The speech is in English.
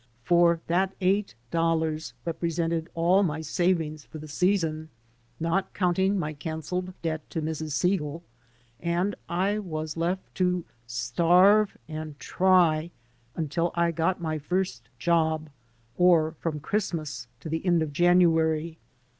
For that eight dollars represented all my savings for the season, not counting my canceled debt to Mrs. S^al, and I was left to starve and "try" until I got my first job, or from Christmas to the end of January.